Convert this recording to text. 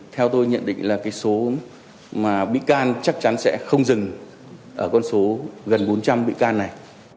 theo tôi nhận định là cái số mà bị can chắc chắn sẽ không dừng ở con số gần bốn trăm linh bị can này